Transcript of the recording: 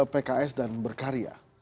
pks dan berkarya